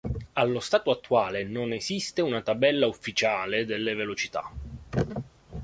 Allo stato attuale non esiste una tabella "ufficiale" delle velocità.